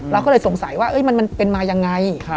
เราก็เลยสงสัยว่ามันเป็นมายังไง